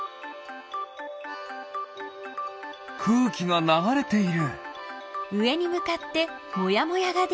くうきがながれている。